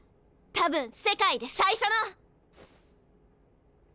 多分世界で最初の！